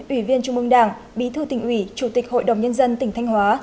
ủy viên trung mương đảng bí thư tỉnh ủy chủ tịch hội đồng nhân dân tỉnh thanh hóa